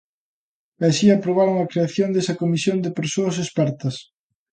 E así aprobaron a creación desa comisión de persoas expertas.